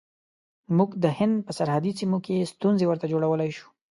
موږ د هند په سرحدي سیمو کې ستونزې ورته جوړولای شو.